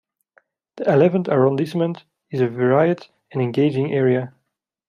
The eleventh arrondissement is a varied and engaging area.